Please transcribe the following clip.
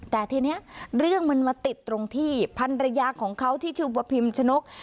แต่ทีนี้เรื่องมันมาติดตรงที่พันรยาของเขาที่ชื่อว่าพิมชนก